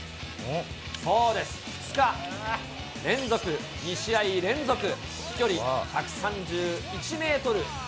そうです、２日連続２試合連続、飛距離１３１メートル。